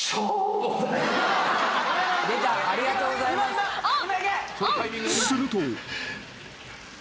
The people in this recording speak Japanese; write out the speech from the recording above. ［すると］